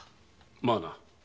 まあな。